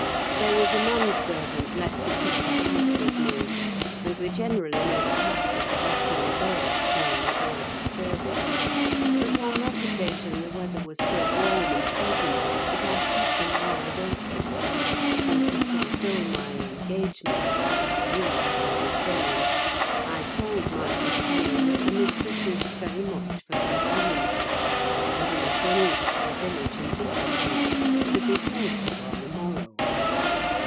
There was a man servant left to keep the house with me, and we generally made a practice of locking the doors during the hours of service; but on that occasion the weather was so warm and pleasant that I set them wide open, and, to fulfil my engagement, as I knew who would be coming, I told my companion that the mistress wished very much for some oranges, and he must run over to the village and get a few, to be paid for on the morrow.